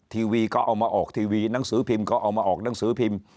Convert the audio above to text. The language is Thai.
ทีวีก็เอามาออกทีวีหนังสือพิมพ์ก็เอามาออกหนังสือพิมพ์